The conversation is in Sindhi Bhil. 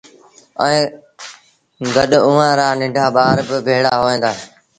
ائيٚݩ گڏ اُئآݩ رآ ننڍآ ٻآر با ڀيڙآ هوئين دآ